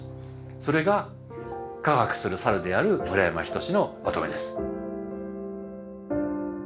それが「科学する猿」である村山斉のまとめです。